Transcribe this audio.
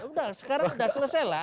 udah sekarang udah selesai lah